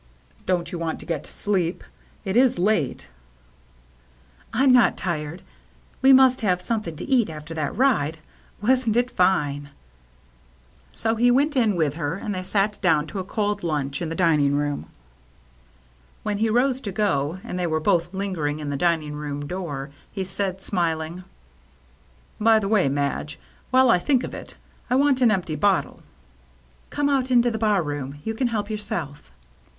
" Don't you want to get to sleep ? It is late." " I'm not tired. We must have something to eat after that ride. Wasn't it fine ?" So he went in with her, and they sat down to a cold lunch in tHe dining room. When he rose to go, and they were both lingering in the dining room door, he said, smiling, " By the way, Madge, while I think of it, I want an empty bottle." "Come out into the bar room. You can help yourself."